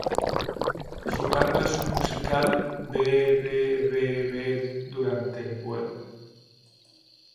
Su canto es un musical "bee-bee-bee-bee" durante el vuelo.